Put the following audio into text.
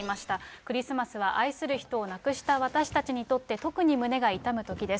クリスマスは愛する人を亡くした私たちにとって特に胸が痛むときです。